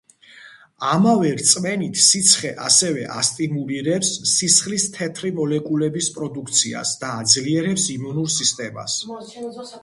ამავე რწმენით სიცხე ასევე ასტიმულირებს სისხლის თეთრი მოლეკულების პროდუქციას და აძლიერებს იმუნურ სისტემას.